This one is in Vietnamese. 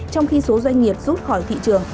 trong khi số doanh nghiệp rút khỏi thị trường